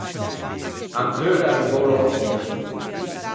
Ancheu l’é arrivou l’ötunno.